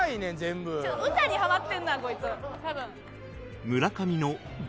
歌にハマってるなこいつ多分。